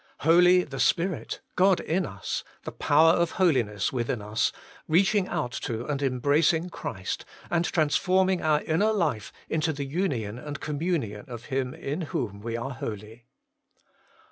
HOLY, the Spirit, God in us, the Power of Holiness within us, reaching out to and embracing Christ, and transforming our inner life into the union and communion of Him in whom we are holy.